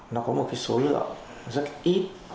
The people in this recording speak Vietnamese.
nó có một số lượng rất ít